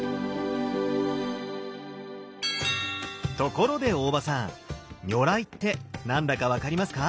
ところで大場さん「如来」って何だか分かりますか？